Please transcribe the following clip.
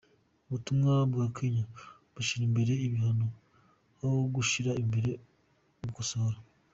Ubutungane bwa Kenya bushira imbere ibihano, ha gushira imbere ugukosora .